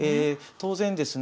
当然ですね